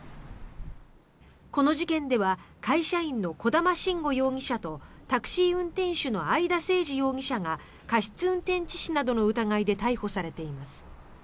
この事件では会社員の小玉慎悟容疑者とタクシー運転手の会田誠司容疑者が過失運転致死などの疑いで逮捕されています。